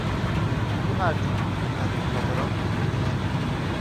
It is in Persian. او هر جوری بود از مسافران پول میکشید.